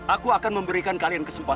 aku akan memberikan kalian kesempatan